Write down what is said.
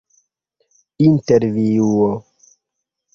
intervjuo